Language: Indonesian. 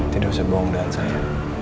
tidak usah bohong dengan saya